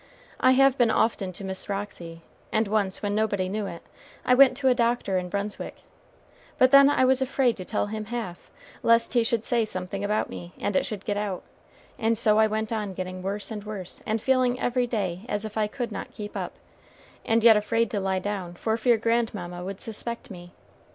I have been often to Miss Roxy, and once, when nobody knew it, I went to a doctor in Brunswick, but then I was afraid to tell him half, lest he should say something about me, and it should get out; and so I went on getting worse and worse, and feeling every day as if I could not keep up, and yet afraid to lie down for fear grandmamma would suspect me.